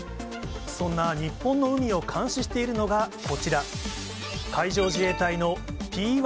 そんな日本の海を監視しているのがこちら、海上自衛隊のＰー